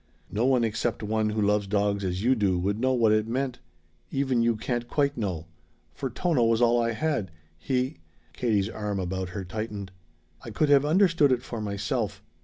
"No one except one who loves dogs as you do would know what it meant. Even you can't quite know. For Tono was all I had. He " Katie's arm about her tightened. "I could have stood it for myself.